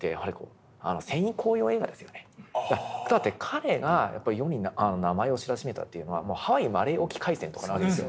彼がやっぱり世に名前を知らしめたというのは「ハワイ・マレー沖海戦」とかなわけですよ。